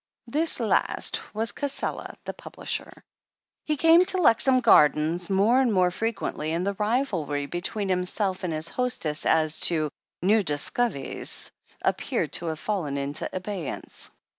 This last was Cassela, the publisher. He came to Lexham Gardens more and more fre quently, and the rivalry between himself and his hostess as to "new discov'ies" appeared to have fallen into abeyance.